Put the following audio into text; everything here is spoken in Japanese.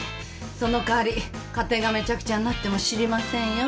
その代わり家庭がめちゃくちゃになっても知りませんよ。